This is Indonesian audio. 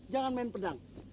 jangan main pedang